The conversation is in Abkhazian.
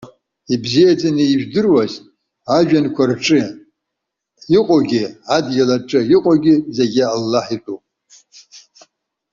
Ибзиаӡаны ижәдыруаз, ажәҩанқәа рҿы иҟоугьы, адгьыл аҿы иҟоугьы зегьы Аллаҳ итәуп.